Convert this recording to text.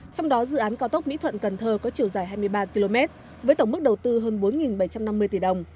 trong đó dự án cao tốc mỹ thuận cần thơ có chiều dài hai mươi ba km với tổng mức đầu tư hơn bốn bảy trăm năm mươi tỷ đồng